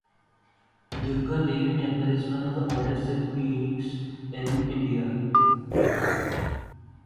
Durga Devi Temple is one of the oldest Siddha Pithas in India.